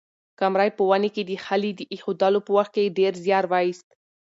قمرۍ په ونې کې د خلي د اېښودلو په وخت کې ډېر زیار وایست.